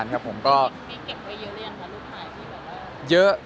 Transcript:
รูปใหม่ดีกว่า